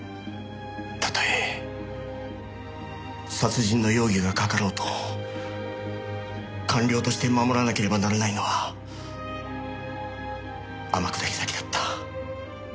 たとえ殺人の容疑がかかろうと官僚として守らなければならないのは天下り先だった。